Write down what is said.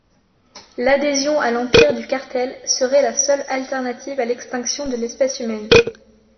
L'adhésion à l'empire du Cartel serait la seule alternative à l'extinction de l'espèce humaine.